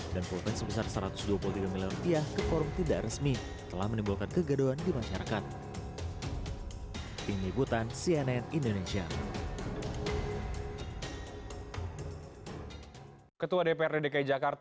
dan pulpen sebesar satu ratus dua puluh tiga miliar rupiah ke forum tidak resmi telah menimbulkan kegaduhan di masyarakat